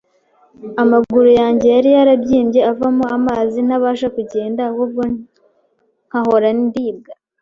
Amaguru yanjye yari yarabyimbye, avamo amazi ntabasha kugenda ahubwo nkahora ndibwa